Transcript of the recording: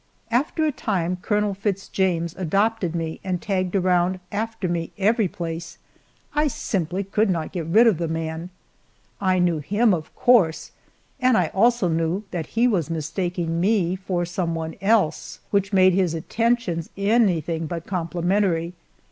After a time Colonel Fitz James adopted me and tagged around after me every place; I simply could not get rid of the man. I knew him, of course, and I also knew that he was mistaking me for some one else, which made his attentions anything but complimentary.